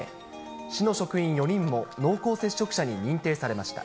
市の職員４人も、濃厚接触者に認定されました。